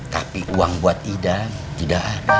tapi uang buat ida tidak ada